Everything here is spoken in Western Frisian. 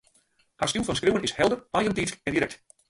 Har styl fan skriuwen is helder, eigentiidsk en direkt